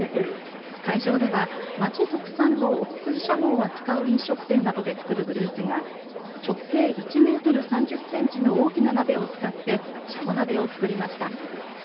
会場では、町特産の奥久慈しゃもを扱う飲食店などでつくるグループが直径１メートル３０センチの大きな鍋を使ってしゃも鍋を作りました。